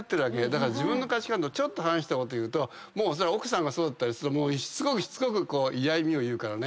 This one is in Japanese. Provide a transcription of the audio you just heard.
だから自分の価値観とちょっと反したこと言うとそれは奥さんがそうだったりするとしつこく嫌みを言うからね。